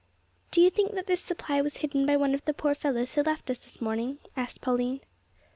"Do you think that this supply was hidden by one of the poor fellows who left us this morning?" asked Pauline.